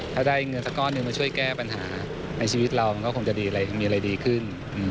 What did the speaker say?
ถ้าได้เงินสักก้อนหนึ่งมาช่วยแก้ปัญหาในชีวิตเรามันก็คงจะมีอะไรดีขึ้น